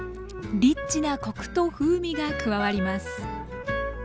リッチなコクと風味が加わります。